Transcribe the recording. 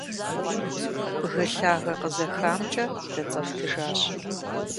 Бгы лъагэ къызэхамкӀэ дэцӀэфтыжащ.